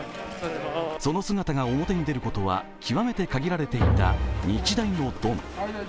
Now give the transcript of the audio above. その姿が表に出ることは極めて限られていた日大のドン。